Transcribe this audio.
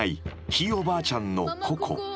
ひいおばあちゃんのココ］